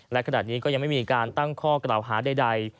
และขณะนี้ก็ยังไม่มีการตั้งข้อกล่าวหาใด